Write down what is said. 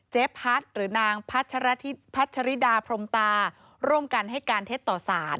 เจ๊พัดหรือนางพัชริดาพรมตาร่วมกันให้การเท็จต่อสาร